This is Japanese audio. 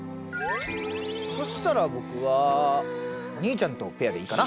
そしたら僕はお兄ちゃんとペアでいいかな。